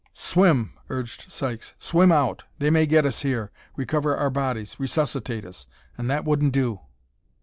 "Swim!" urged Sykes. "Swim out! They may get us here recover our bodies resuscitate us. And that wouldn't do!"